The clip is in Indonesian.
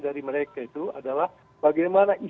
saya ingin menarikkan juga karena saya juga benar benar menarikkan